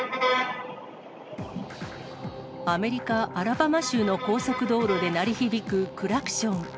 アメリカ・アラバマ州の高速道路で鳴り響くクラクション。